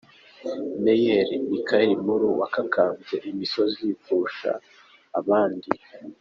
HaileMichael Mulu wakakambye imisozi kurusha abandi.